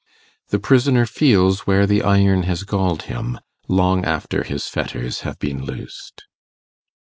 The prisoner feels where the iron has galled him, long after his fetters have been loosed.